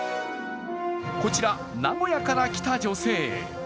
こちら、名古屋から来た女性。